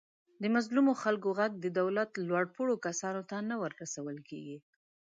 د مظلومو خلکو غږ د دولت لوپوړو کسانو ته نه ورسول کېږي.